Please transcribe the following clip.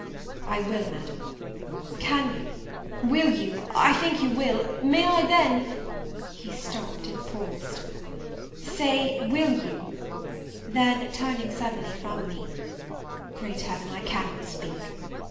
"I will, Madam. Can you will you I think you will! may I then " he stopped and paused; "say, will you" then, suddenly turning from me, "Great Heaven, I cannot speak!"